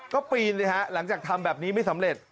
ก็ปีนเลยฮะหลังจากทำแบบนี้ไม่สำเร็จ